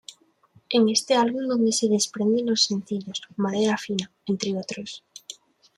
En este álbum donde se desprenden los sencillos: Madera Fina, entre otros.